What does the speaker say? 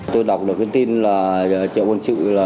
tôi đọc được tin là triệu quân sự